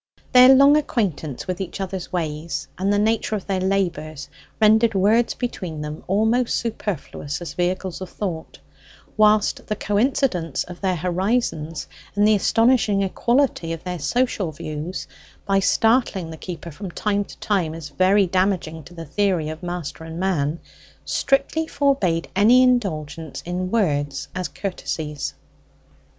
Their long acquaintance with each other's ways, and the nature of their labours, rendered words between them almost superfluous as vehicles of thought, whilst the coincidence of their horizons, and the astonishing equality of their social views, by startling the keeper from time to time as very damaging to the theory of master and man, strictly forbade any indulgence in words as courtesies.